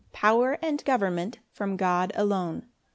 Power and government from God alone.